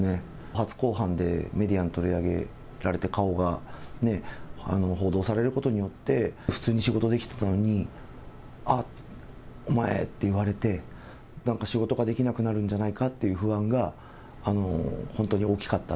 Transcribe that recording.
初公判でメディアに取り上げられて、顔がね、報道されることによって、普通に仕事できてたのに、あっ、お前っていわれて、なんか仕事ができなくなるんじゃないかっていう不安が、本当に大きかった。